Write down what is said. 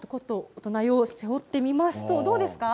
大人用を背負ってみますとどうですか。